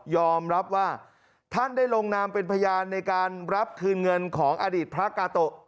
รับว่าท่านได้ลงนามเป็นพยานในการรับคืนเงินของอดีตพระกาโตะ